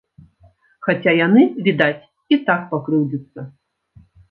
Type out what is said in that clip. Хаця яны, відаць, і так пакрыўдзяцца.